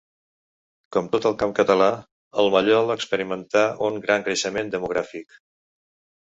Com tot el camp català, el Mallol experimentà un gran creixement demogràfic.